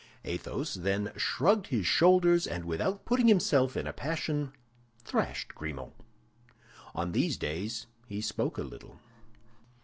Athos then shrugged his shoulders, and, without putting himself in a passion, thrashed Grimaud. On these days he spoke a little.